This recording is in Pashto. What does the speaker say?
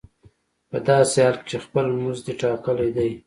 په داسې حال کې چې خپل مزد دې ټاکلی دی